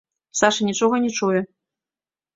Саша нічога не чуе.